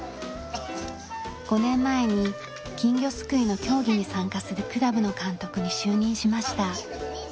５年前に金魚すくいの競技に参加するクラブの監督に就任しました。